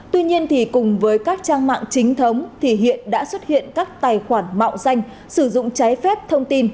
tuy nhiên thì cùng với các trang mạng chính thống thì hiện đã xuất hiện các tài khoản mạo danh sử dụng trái phép thông tin